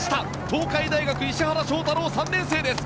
東海大学、石原翔太郎３年生です。